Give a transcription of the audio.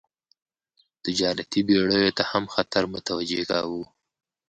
تجارتي بېړیو ته هم خطر متوجه کاوه.